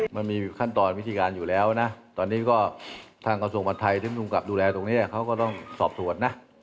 มันมีขั้นตอนวิธีการอยู่แล้วนะตอนนี้ก็ทางกระทรวงบัตรไทยซึ่งภูมิกับดูแลตรงนี้เขาก็ต้องสอบสวนนะ